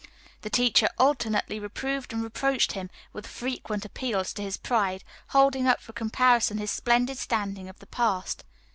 The teacher alternately reproved and reproached him, with frequent appeals to his pride, holding up for comparison his splendid standing of the past.